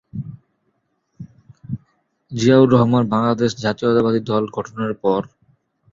জিয়াউর রহমান বাংলাদেশ জাতীয়তাবাদী দল গঠনের পর মির্জা আব্বাস এ দলে যোগদান করেন এবং তিনি দলটির প্রথমদিককার একজন নেতা।